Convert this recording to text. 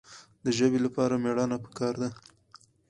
د ژبې لپاره مېړانه پکار ده.